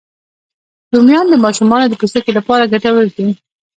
رومیان د ماشومانو د پوستکي لپاره ګټور دي